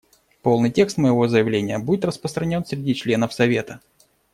Полный текст моего заявления будет распространен среди членов Совета.